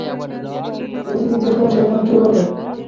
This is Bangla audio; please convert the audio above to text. রবি জিজ্ঞেস করছে এখন কি করবে।